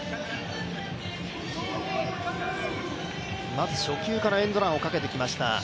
まず初球からエンドランをかけてきました。